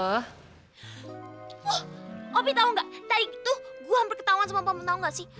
wah opi tahu nggak tadi tuh gue hampir ketauan sama pamu tahu nggak sih